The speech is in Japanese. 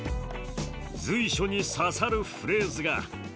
随所に刺さるフレーズが！